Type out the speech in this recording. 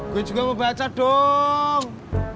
gue juga mau baca dong